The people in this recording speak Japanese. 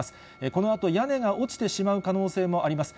このあと、屋根が落ちてしまう可能性もあります。